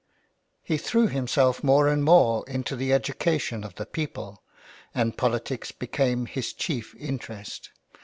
He threw himself more and more into the education of the people, and politics became his chief interest.